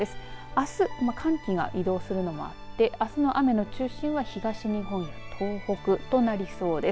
あす寒気が移動するのもあってあすの雨の中心は東日本東北となりそうです。